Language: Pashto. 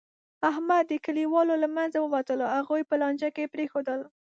احمد د کلیوالو له منځه ووتلو، هغوی په لانجه کې پرېښودل.